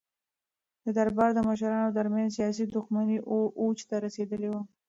د دربار د مشرانو ترمنځ سیاسي دښمنۍ اوج ته رسېدلې وې.